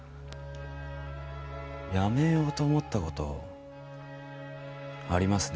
辞めようと思ったことありますね